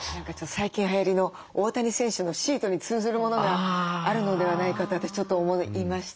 最近はやりの大谷選手のシートに通ずるものがあるのではないかって私ちょっと思いました。